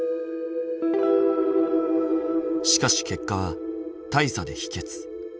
しかし結果は大差で否決。